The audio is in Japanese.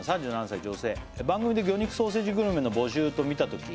３７歳女性「番組で魚肉ソーセージグルメの募集と見たとき」